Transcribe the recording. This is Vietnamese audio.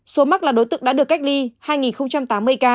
số mắc là đối tượng đã được cách ly hai tám mươi ca